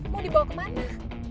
mau dibawa kemana